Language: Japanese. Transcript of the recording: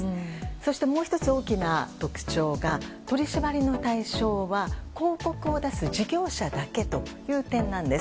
そしてもう１つ大きな特徴が取り締まりの対象は広告を出す事業者だけという点です。